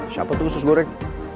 siapa tuh sus goreng